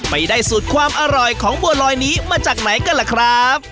ไปได้สูตรความอร่อยของบัวลอยนี้มาจากไหนกันล่ะครับ